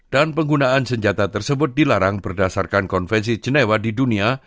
dan penggunaan senjata tersebut dilarang berdasarkan konvensi ceneva di dunia